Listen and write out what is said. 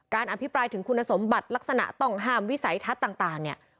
อภิปรายถึงคุณสมบัติลักษณะต้องห้ามวิสัยทัศน์ต่างเนี่ย